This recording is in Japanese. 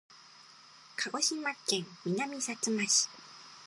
鹿児島県南さつま市